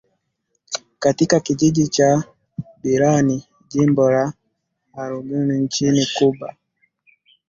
Katika kijiji cha Biran jimbo la Holguin nchini Cuba